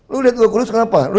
lu lihat gue kurus kenapa